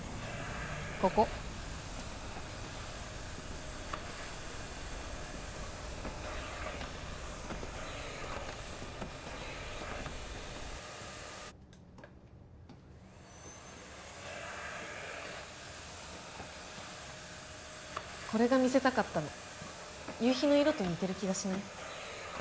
こここれが見せたかったの夕日の色と似てる気がしない？